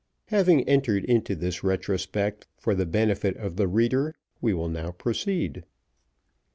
Having entered into this retrospect for the benefit of the reader, we will now proceed.